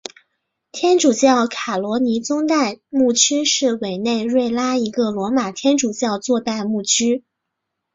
天主教卡罗尼宗座代牧区是委内瑞拉一个罗马天主教宗座代牧区。